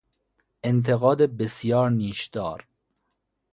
انتقاد بسیار نیشدار